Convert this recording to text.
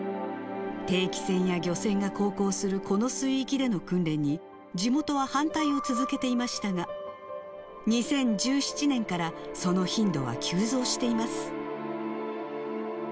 定期船や漁船が航行するこの水域での訓練に、地元は反対を続けていましたが、２０１７年からその頻度は急増しています。